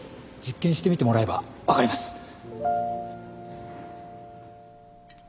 実験してみてもらえばわかります。